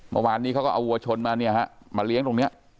เมื่อวานนี้เขาก็เอาวัวชนมาเนี่ยฮะมาเลี้ยงตรงนี้